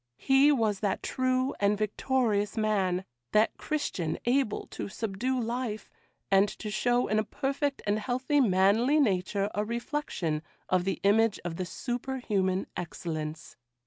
He was that true and victorious man; that Christian able to subdue life, and to show in a perfect and healthy manly nature a reflection of the image of the superhuman excellence.